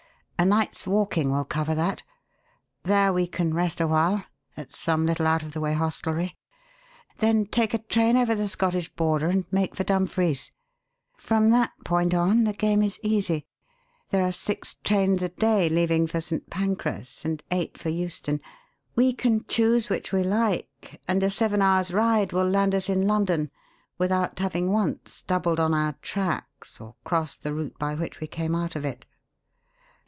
A night's walking will cover that. There we can rest a while at some little out of the way hostelry then take a train over the Scottish border and make for Dumfries. From that point on, the game is easy. There are six trains a day leaving for St. Pancras and eight for Euston. We can choose which we like, and a seven hours' ride will land us in London without having once 'doubled on our tracks' or crossed the route by which we came out of it."